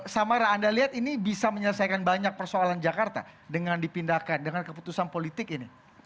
samara anda lihat ini bisa menyelesaikan banyak persoalan jakarta dengan dipindahkan dengan keputusan politik ini